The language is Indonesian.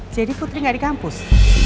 jadi putri gak di kampus